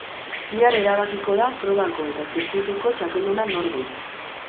Bihar erabakiko da probako eta zirkuituko txapelduna nor den.